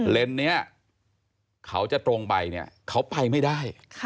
เลนส์นี้เขาจะตรงไปเขาไปไม่ได้